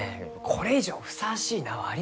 これ以上ふさわしい名はありません。